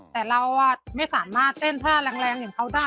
แต่เราไม่สามารถเต้นท่าแรงอย่างเขาได้